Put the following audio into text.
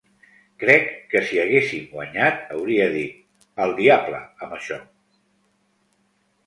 Crec que si haguéssim guanyat, hauria dit, "Al diable amb això".